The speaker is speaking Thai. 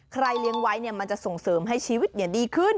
ใครเลี้ยงไว้เนี่ยมันจะส่งเสริมให้ชีวิตเนี่ยดีขึ้น